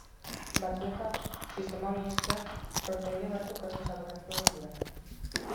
Batzuetan, sistema honi esker, sortzaile batzuk erruz aberastu egin dira.